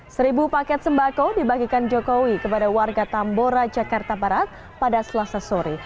seribu paket sembako dibagikan jokowi kepada warga tambora jakarta barat pada selasa sore